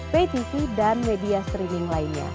patv dan media streaming lainnya